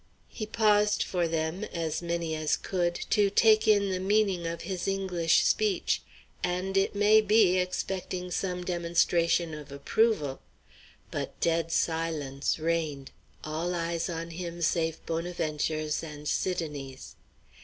He paused for them as many as could to take in the meaning of his English speech, and, it may be, expecting some demonstration of approval; but dead silence reigned, all eyes on him save Bonaventure's and Sidonie's.